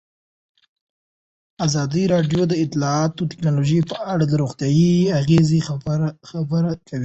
ازادي راډیو د اطلاعاتی تکنالوژي په اړه د روغتیایي اغېزو خبره کړې.